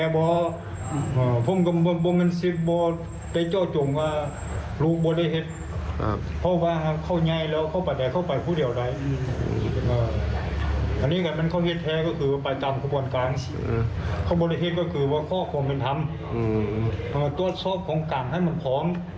บริษัทก็คือว่าขอความเป็นธรรมต้นสอบของกลางให้มันฟอง